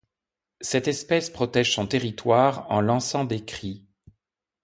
Cette espèce protège son territoire en lançant des cris.